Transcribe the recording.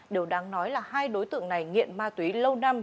điều đáng nói là hai đối tượng này nghiện ma túy lâu năm